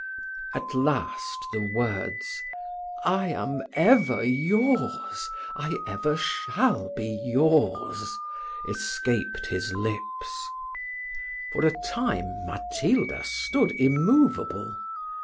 At last the words, "I am ever yours, I ever shall be yours," escaped his lips. For a time Matilda stood immoveable.